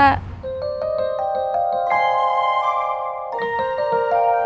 apa sebenarnya lo mau berubah